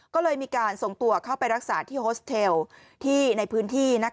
ก็เลยมีการส่งตัวเข้าไปรักษาที่โฮสเทลที่ในพื้นที่